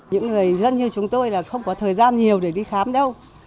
những người dân như chúng tôi là không có thời gian nhiều để đi khám đâu